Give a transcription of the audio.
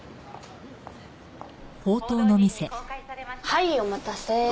はいお待たせ。